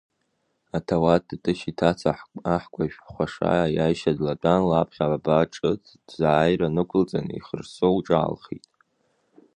Аҭауад Тытышь иҭаца аҳкәажә хәаша Аишьа длатәан лаԥхьа аба ҽыҭ зааира нықәылҵан, еихырссо лҿаалхеит.